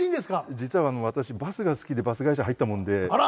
実はあの私バスが好きでバス会社入ったもんで。